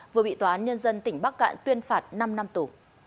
vừa bị tòa án nhân dân tỉnh bắc cạn tuyên phạt năm năm tù